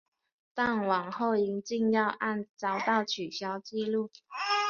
但往后因禁药案遭到取消记录。